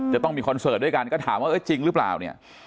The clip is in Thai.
จะต้องมีคอนเสิร์ตด้วยกันก็ถามว่าเออจริงหรือเปล่าเนี่ย